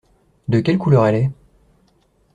De quelle couleur elle est ?